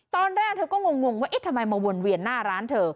ตอนแรกเธอก็งงว่าเอ๊ะทำไมมาวนเวียนหน้าร้านเธอ